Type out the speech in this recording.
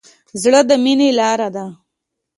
زړه د مینې لاره ده.